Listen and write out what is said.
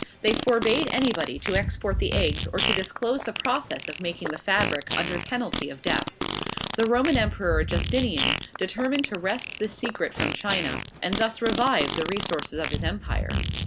They forbade anybody to export the eggs or to disclose the process of making the fabric, under penalty of death. The Roman Emperor Justinian determined to wrest this secret from China, and thus revive the resources of his empire.